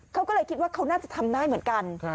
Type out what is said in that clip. เขาก็เลยคิดว่าเขาน่าจะทำได้เหมือนกัน